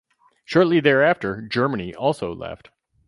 Shortly thereafter Germany also left.